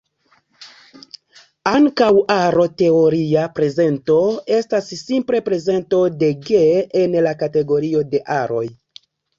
Ankaŭ, aro-teoria prezento estas simple prezento de "G" en la kategorio de aroj.